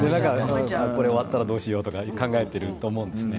これ終わったらどうしようとか考えていると思うんですよね。